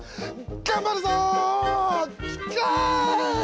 頑張るぞ！